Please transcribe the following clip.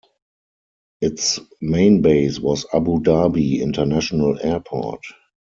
Its main base was Abu Dhabi International Airport.